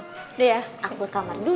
udah ya aku kamar dulu